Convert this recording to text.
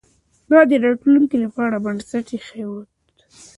ده د راتلونکي لپاره بنسټ ايښود.